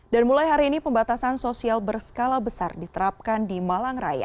dan mulai hari ini pembatasan sosial berskala besar diterapkan di malang raya